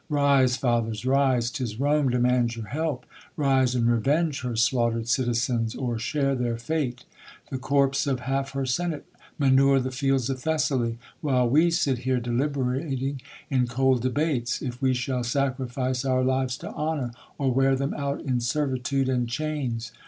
Rise, fathers, rise! 'tis Rome demands your help ; Rise, and revenge her slaughter'd citizens, Or share their fate ! The corpse of half her senate Manure the fields of Thessaly, while we Sit here deliberating in cold debates.. If we shall sacrifice our lives to honor, Or wear them out in servitude and chains.